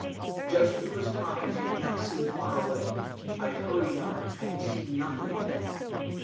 Judging from his cries, he did not seem far away. I hurried on. I could see nothing of him.